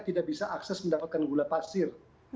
tidak bisa akses mendapatkan gula pasir